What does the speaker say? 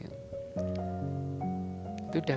saya berbuat pasti besok gini gini